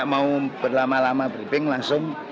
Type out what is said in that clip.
mau berlama lama briefing langsung